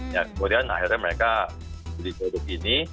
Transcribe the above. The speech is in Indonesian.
ya kemudian akhirnya mereka beli produk ini